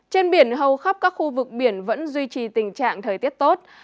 trên biển hầu khắp các khu vực biển vẫn duy trì tình trạng thời tiết tốt